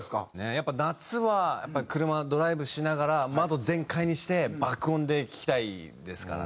やっぱり夏は車ドライブしながら窓全開にして爆音で聴きたいですからね。